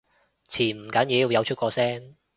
潛唔緊要，有出過聲